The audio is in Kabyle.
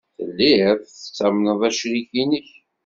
Telliḍ tettamneḍ acrik-nnek.